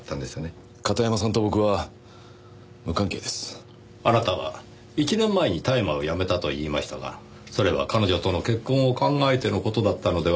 片山さんと僕は無関係です。あなたは１年前に大麻をやめたと言いましたがそれは彼女との結婚を考えての事だったのではありませんか？